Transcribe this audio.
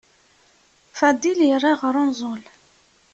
Fadil yerra ɣer unẓul.